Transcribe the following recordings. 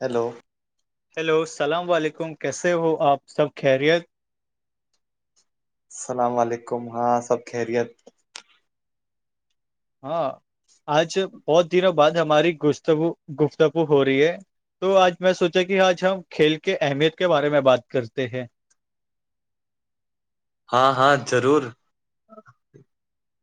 hello hello السلام علیکم کیسے ہو آپ سب خیریت السلام علیکم ہاں سب خیریت ہاں آج بہت دنوں بعد ہماری گفتگو گفتگو ہو رہی ہے تو آج میں سوچا کہ آج ہم کھیل کے اہمیت کے بارے میں بات کرتے ہیں ہاں ہاں ضرور ہٹھیک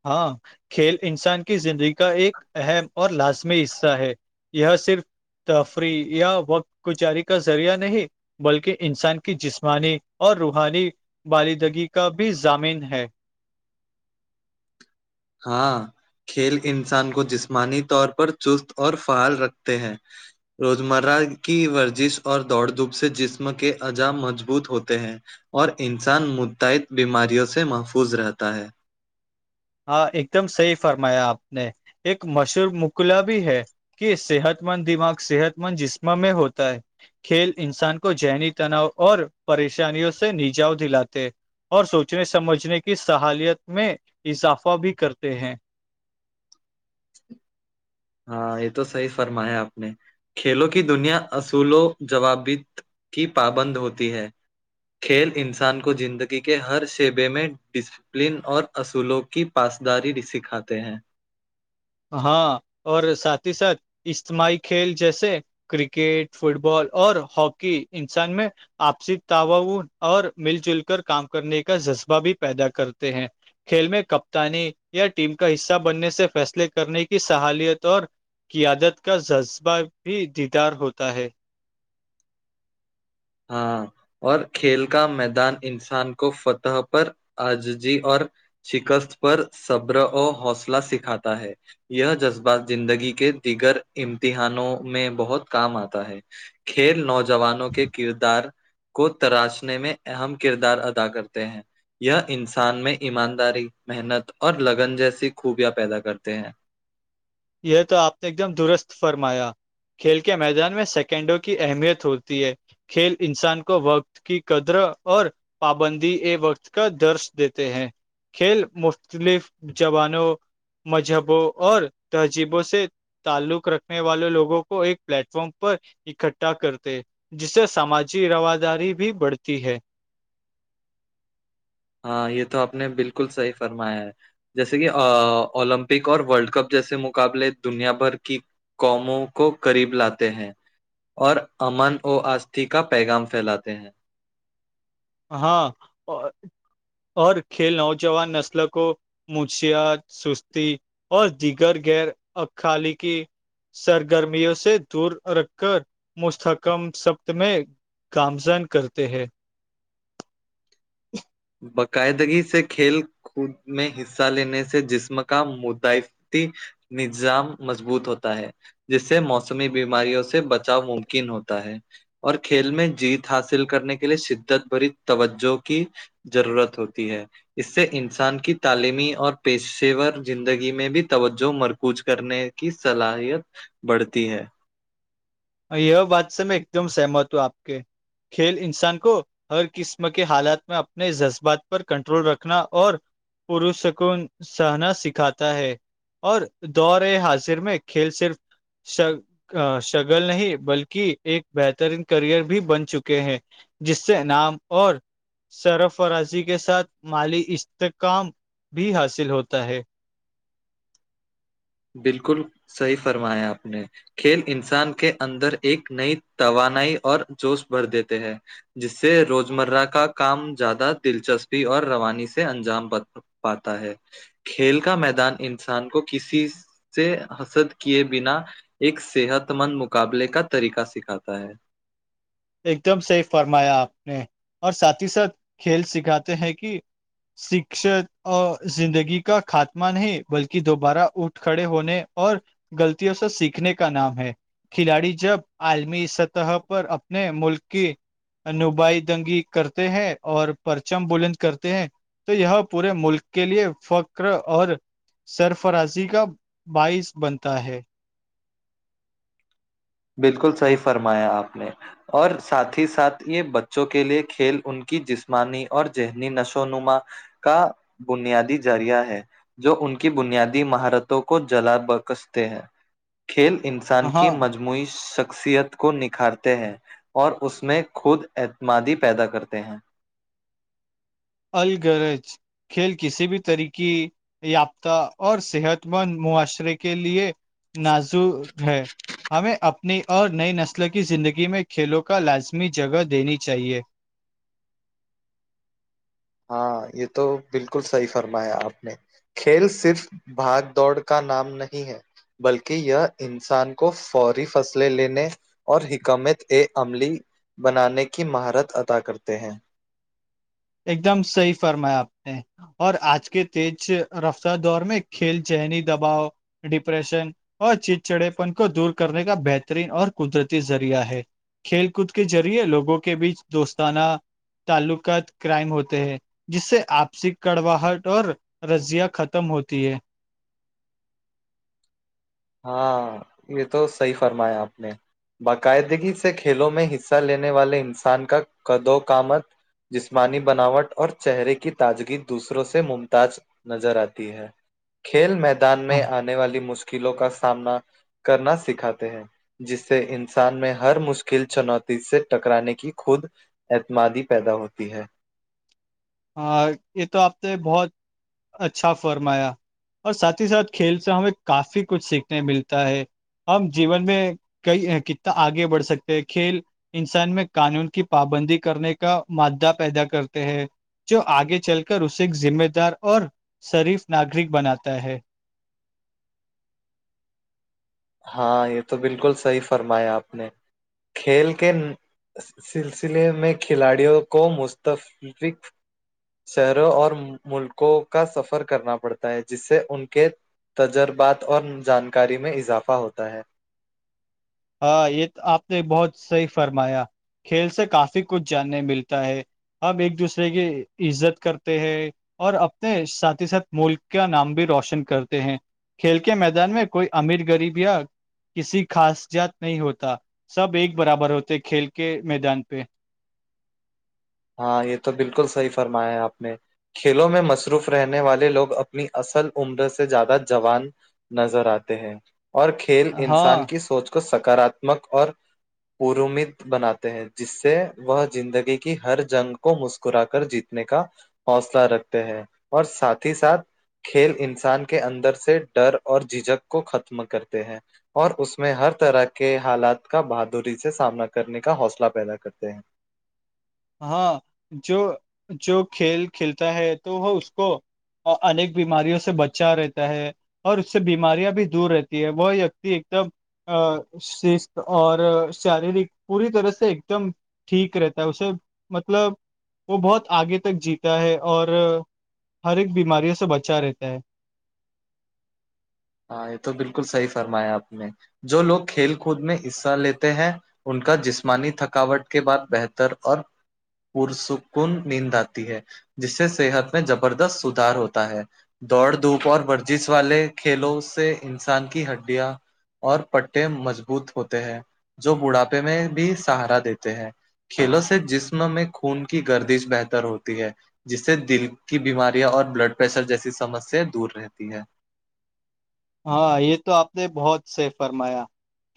ہاں کھیل انسان کی زندگی کا ایک اہم اور لازمی حصہ ہے یہ صرف تفریح یا وقت گزاری کا ذریعہ نہیں بلکہ انسان کی جسمانی اور روحانی بندگی کا بھی ضامن ہے ہاں کھیل انسان کو جسمانی طور پر چست اور فعال رکھتے ہیں روزمرہ کی ورزش اور دوڑ دھوپ سے جسم کے عجا مضبوط ہوتے ہیں اور انسان متعد بیماریوں سے محفوظ رہتا ہے ہاں ایک دم صحیح فرمایا آپ نے ایک مشہور مکلا بھی ہے کہ صحت مند دماغ صحت مند جسم میں ہوتا ہے کھیل انسان کو ذہنی تناؤ اور پریشانیوں سے نجاؤ دلاتے اور سوچنے سمجھنے کی صحالیت میں اضافہ بھی کرتے ہیں ہاں یہ تو صحیح فرمایا آپ نے کھیلوں کی دنیا اصول و جوابط کی پابند ہوتی ہے کھیل انسان کو زندگی کے ہر شعبے میں پلن اور اصولوں کی پاسداری سکھاتے ہیں ہاں اور ساتھ ہی ساتھ اجتماعی کھیل جیسے کرکٹ فٹ بال اور ہاکی انسان میں آپسی تاؤ اور مل جل کر کام کرنے کا جذبہ بھی پیدا کرتے ہیں کھیل میں کپتانی یا ٹیم کا حصہ بننے سے فیصلے کر کرنے کی صحالیت اور قیادت کا جذبہ بھی دیدار ہوتا ہے ہاں اور کھیل کا میدان انسان کو فتح پر آججی اور شکست پر صبر اور حوصلہ سکھاتا ہے یہ جذبات زندگی کے دیگر امتحانوں میں بہت کام آتا ہے کر نج [unintelligible] جوانوں کے کردار کو تراشنے میں اہم کردار ادا کرتے ہیں یہ انسان میں ایمانداری محنت اور لگن جیسی خوبیاں پیدا کرتے ہیں یہ تو آپ نے ایک دم درست فرمایا کھیل کے میدان میں سیکنڈوں کی اہمیت ہوتی ہے کھیل انسان کو وقت کی قدر اور پابندی ا وقت کا درس دیتے ہیں کھیل مختلف جوبانوں مذہبوں اور تہذیبوں سے تعلق رکھنے والے لوگوں کو ایک پلیٹ فارم پر اکٹھا کرتے جس سے سماجی رواداری بھی بڑھتی ہے ہاں یہ تو آپ نے بالکل صحیح فرمایا ہے جیسے کہ اولمپک اور ورلڈ کپ جیسے مقابلے دنیا بھر کی قوموں کو قریب لاتے ہیں اور امن ا آستھی کا پیغام فھیلاتے ہیں ہاں اور کھیل نوجوان نسل کو منشیات سستی اور دیگر غیر اخالقی سرگرمیوں سے دور رکھ کر مستحکم سبت میں کامزن کرتے ہیں باقاعدگی سے کھیل خود میں حصہ لینے سے جسم کا مدعفتی نظام مضبوط ہوتا ہے جس سے موسمی بیماریوں سے بچاؤ ممکن ہوتا ہے اور کھیل میں جیت حاصل کرنے کے لیے شدت بری توجوں کی ضرورت ہوتی ہے اس سے انسان کی تعلیمی اور پیشے ور زندگی میں بھی توجہ مرکوز کرنے کی صلاحیت بڑھتی ہے یہ بات سے میں ایک دم سہمت ہوں آپ کے کھیل انسان کو ہر قسم کے حالات میں اپنے جذبات پر کنٹرول رکھنا اور پروش کو سہنا سکھاتا ہے اور دور حاضر میں کھیل صرف ش ش ل نہیں بلکہ ایک بہترین کرئر بھی بن چکے ہیں جس سے انعام اور سرفرازی کے ساتھ مالی استحکام بھی حاصل ہوتا ہے بالکل صحیح فرمایا آپ نے کھیل انسان کے اندر ایک نئی توانائی اور جوش بھر دیتے ہیں جس سے روزمرہ کا کام زیادہ دلچسپی اور روانی سے انجام بن پاتا ہے کھیل کا میدان انسان کو کسی سے حسد کیے بنا ایک صحت مند مقابلے کا طریقہ سکھاتا ہے ایک دم صیف فرمایا آپ نے اور ساتھ ہی ساتھ کھیل سکھاتے ہیں کہ شکشا اور زندگی کا خاتمہ نہیں بلکہ دوبارہ اٹھ کھڑے ہونے اور غلطوں سے سیکھنے کا نام ہے کھلاڑی جب عالمی سطح پر نے ملک کی نبائی دنگی کرتے ہیں اور پرچم بلند کرتے ہیں تو یہ پورے ملک کے لیے فکر اور سرفرازی کا باعث بنتا ہے بالکل صحیح فرمایا آپ نے اور ساتھ ہی ساتھ یہ بچوں کے لیے کھیل ان کی جسمانی اور ذہنی نشو نما کا بنیادی ذریعہ ہے جو ان کی بنیادی مہارتوں کو جلا بکستے ہیں کھیل انسان کی ہاں مجموعی شخصیت کو نکھارتے ہیں اور اس میں خود اعتمادی پیدا کرتے ہیں الگررج کھیل کسی بھی طریقے یافتہ اور صحت مند معاشرے کے لیے نازر ہے ہمیں اب نئی اور نئی نسل کی زندگی میں کھیلوں کا لازمی جگہ دینی چاہیے ہاں یہ تو بالکل صحیح فرمایا آپ نے کھیل صرف بھاگ دوڑ کا نام نہیں ہے بلکہ یہ انسان کو فوری فصلیں لینے اور حکمت ا عملی بنانے کی مہارت ادا کرتے ہیں ایک دم صحیح فرمایا آپ نے اور آج کے تیج رفتار دور میں کھیل چذہنی دباؤ ڈپریشن اور چڑچڑےپن کو دور کرنے کا بہترین اور قدرتی ذریعہ ہے کھیل کود کے ذریعے لوگوں کے بیچ دوستانہ تعلقات کرائم ہوتے ہیں جس سے آپسی کڑواہٹ اور رضیا ختم ہوتی ہے ہاں یہ تو صحیح فرمایا آپ نے باقاعدگی سے کھیلوں میں حصہ لینے والے انسان کا قد وکامت جسمانی بناوٹ اور چہرے کی تازگی دوسروں سے ممتاز نظر آتی ہے کھیل میدان میں آنے والی مشکلوں کا سامنا کرنا سکھاتے ہیں جس سے انسان میں ہر مشکل چنوتی سے ٹکرانے کی خود اعتمادی پیدا ہوتی ہے ہاں یہ تو آپ نے بہت اچھا فرمایا اور ساتھ ہی ساتھ کھیل سے ہمیں کافی کچھ سیکھنے ملتا ہے ہم جیون میں کئی کتنا آگے بڑھ سکتے ہیں کھیل انسان میں قانون کی پابندی کرنے کا مادہ پیدا کرتے ہیں جو آگے چل کر اسے ذمہ دار اور شریف ناگرک بناتا ہے ہاں یہ تو بالکل صحی فرمایا آپ نے کھیل کے سلسلے میں کھلاڑیوں کو مستفق شہروں اور ملکوں کا سفر کرنا پڑتا ہے جس سے ان کے تجربات اور جانکاری میں اضافہ ہوتا ہے ہاں یہ آپ نے بہت صحیح فرمایا کھیل سے کافی کچھ جاننے ملتا ہے ہمب ایک دوسرے کی عزت کرتے ہیں اور اپنے ساتھ ہی ساتھ ملک کا نام بھی روشن کرتے ہیں کھیل کے میدان میں کوئی امیر غریب یا کسی خاص جات نہیں ہوتا سب ایک برابر ہوتے کھیل کے میدان پہ ہاں یہ تو بالکل صحیح فرمایا ہے آپ نے کھیلوں میں مصروف رہنے والے لوگ اپنی اصل عمر سے زیادہ جوان نظر آتے ہیں اور کھیل انسان ہاں کی سوچ کو سکاراتمک اور پوروومت بناتے ہیں جس سے وہ زندگی کی ہر جنگ کو مسکرا کر جیتنے کا حوصلہ رکھتے ہیں اور ساتھ ہی ساتھ کھیل انسان کے اندر سے ڈر اور جھجھک کو ختم کرتے ہیں اور اس میں ہر طرح کے حالات کا بہادری سے سامنا کرنے کا حوصلہ پیدا کرتے ہیں ہاں جو جو کھیل کھیلتا ہے تو وہ اس کو اور انیک بیماریوں سے بچا رہتا ہے اور اس سے بیماریاں بھی دور رہتی ہے وہ وکتی ایک دم ا شست اور شاریرک پوری طرح سے ایک دم ٹھیک رہتا ہے اسے مطلب وہ بہت آگے تک جیتا ہے اور ہر ایک بیماریوں سے بچا رہتا ہے ہاں یہ تو بالکل صحیح فرمایا آپ نے جو لوگ کھیل کود میں حصہ لیتے ہیں ان کا جسمانی تھکاوٹ کے بعد بہتر اور پرسکن نیند آتی ہے جس سے صحت میں زبردست سدار ہوتا ہے دوڑ دھوپ اور ورزش والے کھیلوں سے انسان کی ہڈیاں اور پٹے مضبوط ہوتے ہیں جو بڑھاپے میں بھی سہارا دیتے ہیں کھیلوں سے جسم میں خون کی گردش بہتر ہوتی ہے جس سے دل کی بیماریاں اور بلڈ پریشر جیسی سمسیا دور رہتی ہے ہاں یہ تو آپ نے بہت سے فرمایا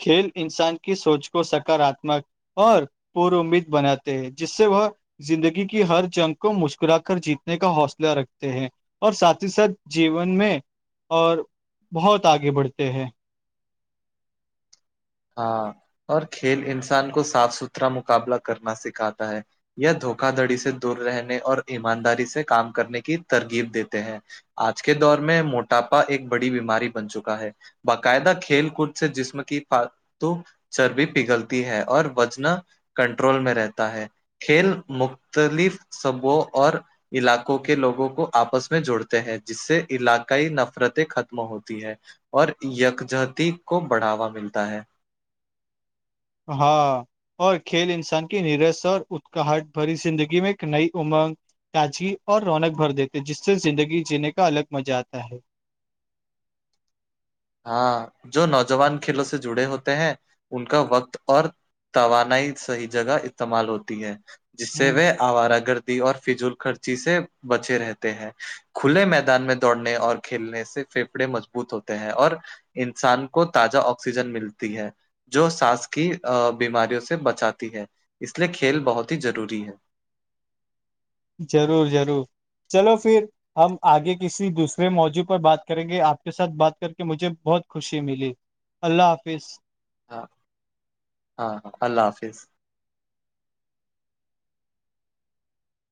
کھیل انسان کی سوچ کو سکاراتمک اور پورومید بناتے ہیں جس سے وہ زندگی کی ہر جنگ کو مسکرا کر جیتنے کا حوصلہ رکھتے ہیں اور ساتھ ہی ساتھ جیون میں اور بہت آگے بڑھتے ہیں ہاں اور کھیل انسان کو صاف ستھرا مقابلہ کرنا سکھاتا ہے یا دھوکا دھڑی سے دور رہنے اور ایمانداری سے کام کرنے کی ترغیب دیتے ہیں آج کے دور میں موٹاپا ایک بڑی بیماری بن چکا ہے باقاعدہ کھیل کود سے جسم کی تو چربی پگھلتی ہے اور وزنا کنٹرول میں رہتا ہے کھیل مختلف سبوں اور علاقوں کے لوگوں کو آپس میں جوڑتے ہیں جس سے علاقائی نفرتیں ختم ہوتی ہے اور یکجہتی کو بڑھاوا ملتا ہے ہاں اور کھیل انسان کی نیرس اور اکاہٹ بھری زندگی میں ایک نئی امنگ تاجگی اور رونق بھر دیتے جس سے زندگی جینے کا الگ مزہ آتا ہے ہاں جو نوجوان کھیلوں سے جڑے ہوتے ہیں ان کا وقت اور توانائی صحیح جگہ استعمال ہوتی ہے جس سے ہ وہ آوارہ گردی اور فضول خرچی سے بچے رہتے ہیں کھلے میدان میں دوڑنے اور کھیلنے سے فیفڑے مضبوط ہوتے ہیں اور انسان کو تازہ آکسیجن ملتی ہے جو سانس کی بیماریوں سے بچاتی ہے اس لیے کھیل بہت ہی ضروری ہے ضرور ضرور چلو پھر ہم آگے کسی دوسرے موضوع پر بات کریں گے آپ کے ساتھ بات کر کے مجھے بہت خوشی ملی اللہ حافظ ہاں ہاں ہاں اللہ حافظ